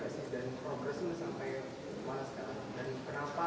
dan progresnya sampai mana sekarang